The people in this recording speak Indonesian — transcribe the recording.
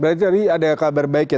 berarti tadi ada kabar baik ya